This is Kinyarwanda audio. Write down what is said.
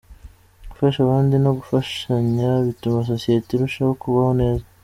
Gufasha abandi no gufashanya bituma sosiyete irushaho kubaho neza.